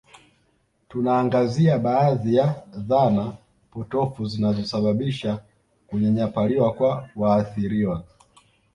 Tunaangazia baadhi ya dhana potofu zinazosababisha kunyanyapaliwa kwa waathiriwa